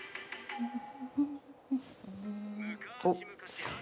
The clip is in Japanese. おっ！